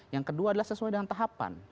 yang kedua adalah sesuai dengan tahapan